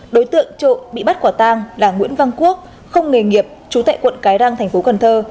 đối tượng trộm bị bắt quả tang là nguyễn văn quốc không nghề nghiệp chú tại quận cái răng thành phố cần thơ